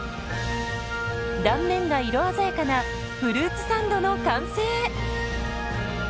断面が色鮮やかなフルーツサンドの完成。